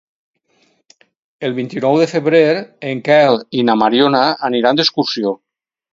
El vint-i-nou de febrer en Quel i na Mariona aniran d'excursió.